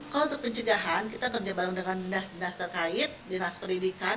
kalau untuk pencegahan kita kerja bareng dengan dinas dinas terkait dinas pendidikan